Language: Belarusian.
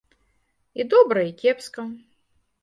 І добра, і кепска.